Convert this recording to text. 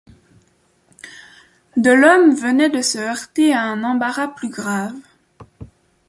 Delhomme venait de se heurter à un embarras plus grave.